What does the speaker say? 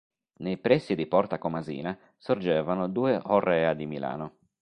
Nei pressi di Porta Comasina sorgevano due horrea di Milano.